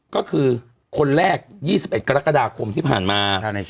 ก็คือคนแรก๒๑กรกฎาคมที่ผ่านมา